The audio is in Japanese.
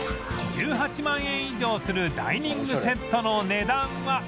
１８万円以上するダイニングセットの値段は